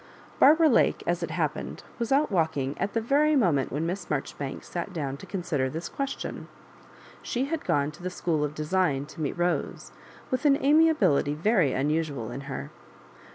Barbara Lake, as it happened, was out walk Digitized by VjOOQIC 36 MISS MABJORIBANKa ing at the very moment when Miss Marjoribanks sat down to consider this question. She had gone to the School of Design to meet Bose, with an amiability very unusual in her.